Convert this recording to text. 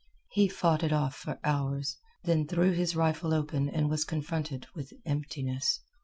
He fought it off for hours, then threw his rifle open and was confronted with emptiness.